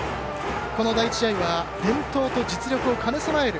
この第１試合は伝統と実力を兼ね備える